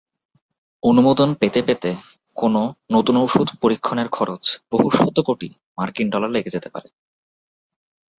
অনুমোদন পেতে পেতে কোনও নতুন ঔষধ পরীক্ষণের খরচ বহু শত কোটি মার্কিন ডলার লেগে যেতে পারে।